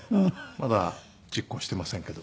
まだ実行していませんけど。